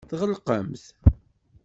Tɣelqemt.